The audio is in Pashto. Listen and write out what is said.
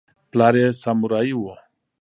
پلار یې سامورايي و.